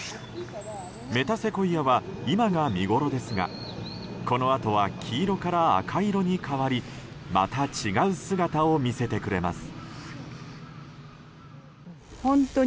メタセコイアは今が見ごろですがこのあとは黄色から赤色に変わりまた違う姿を見せてくれます。